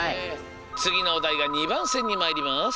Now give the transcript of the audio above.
つぎのおだいが２ばんせんにまいります！